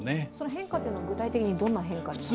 変化というのは具体的にどんな変化ですか？